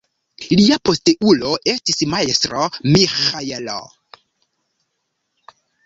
Lia posteulo estis Majstro Miĥaelo.